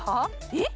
えっ？